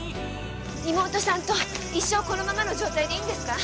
妹さんと一生このままの状態でいいんですか？